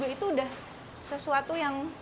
itu sudah sesuatu yang